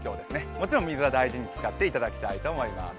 もちろん水は大事に使っていただきたいと思います。